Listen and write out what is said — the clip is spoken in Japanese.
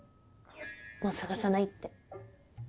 もう捜さないって。